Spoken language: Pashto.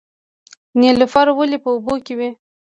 نیلوفر ولې په اوبو کې وي؟